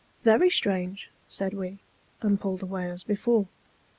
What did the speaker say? "Very strange," said we, and pulled away as before.